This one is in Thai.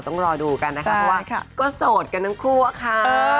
ต้องรอดูกันนะคะเพราะว่าก็โสดกันทั้งคู่อะค่ะ